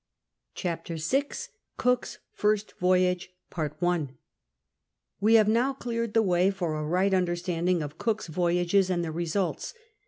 CHAPTER VI cook's first voyage We have now cleared the way for a right understand ing of Cook's voyages and their results.